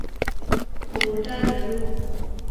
خو موټر لرو